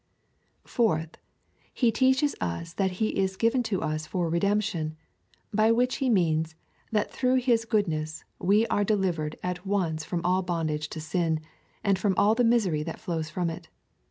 Fourthly, he teaches us that he is given to us for redemp tion, by which he means, that through his goodness we are delivered at once from all bondage to sin, and from all the misery that flows from it.